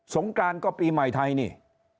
งกรานก็ปีใหม่ไทยนี่